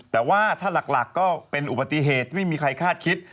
แต่ว่าถ้าหลักก็เป็นอุบัติเหตุไม่มีใครคาดคิด